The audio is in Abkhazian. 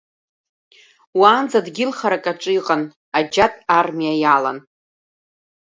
Уаанӡа дгьыл харак аҿы иҟан, аџьатә армиа иалан.